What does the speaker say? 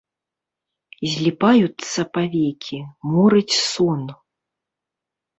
Зліпаюцца павекі, морыць сон.